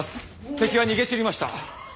敵は逃げ散りました。